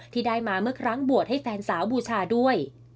ที่ได้มาเมื่อครั้งบวชให้แฟนสาวบูชาด้วย